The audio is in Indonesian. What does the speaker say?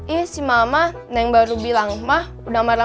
iya sih mama yang baru bilang ma udah marah marah